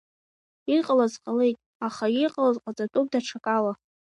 Иҟалаз ҟалеит, аха иҟалаз ҟаҵатәуп даҽакала.